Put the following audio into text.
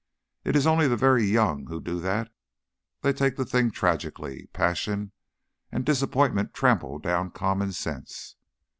"It is only the very young who do that. They take the thing tragically; passion and disappointment trample down common sense.